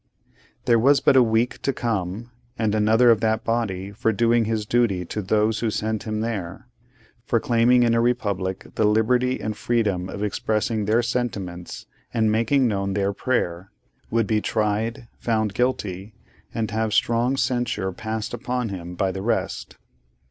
There was but a week to come, and another of that body, for doing his duty to those who sent him there; for claiming in a Republic the Liberty and Freedom of expressing their sentiments, and making known their prayer; would be tried, found guilty, and have strong censure passed upon him by the rest.